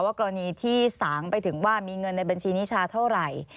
กรณีที่สางไปถึงว่ามีเงินในบัญชีนิชาเท่าไหร่